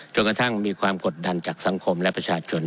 กระทั่งมีความกดดันจากสังคมและประชาชน